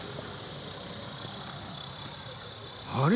あれ？